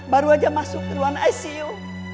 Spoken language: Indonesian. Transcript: baru aja masuk ke ruang icu